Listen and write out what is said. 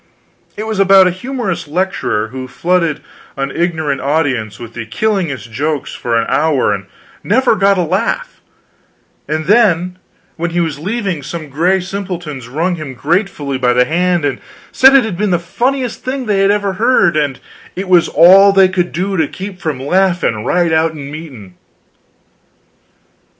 It was about a humorous lecturer who flooded an ignorant audience with the killingest jokes for an hour and never got a laugh; and then when he was leaving, some gray simpletons wrung him gratefully by the hand and said it had been the funniest thing they had ever heard, and "it was all they could do to keep from laughin' right out in meetin'."